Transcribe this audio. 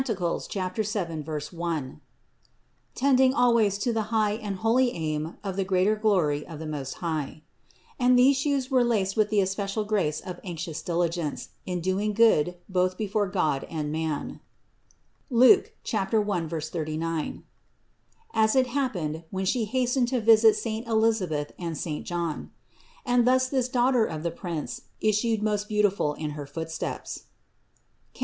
7, 1), tending always to the high and holy aim of the greater glory of the Most High. And these shoes were laced with the especial grace of anxious diligence in doing good both before God and man (Luke 1, 39), as it happened when She hastened to visit saint Elisabeth and saint John; and thus this Daughter of the Prince issued most beautiful in her footsteps (Cant.